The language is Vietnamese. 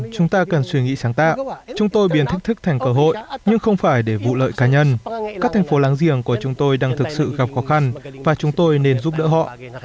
chúng ta cần suy nghĩ sáng tạo chúng tôi biến thách thức thành cơ hội nhưng không phải để vụ lợi cá nhân các thành phố láng giềng của chúng tôi đang thực sự gặp khó khăn và chúng tôi nên giúp đỡ họ